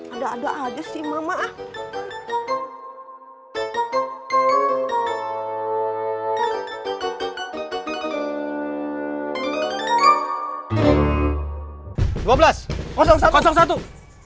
ada ada aja sih mama ah